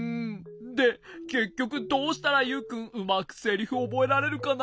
でけっきょくどうしたらユウくんうまくセリフおぼえられるかな？